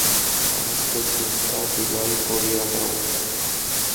সমস্ত চিন্তা বিলয় করিয়া দাও।